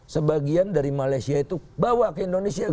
sebagian dari malaysia itu bawa ke indonesia